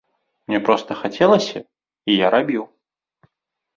Мне проста хацелася, і я рабіў.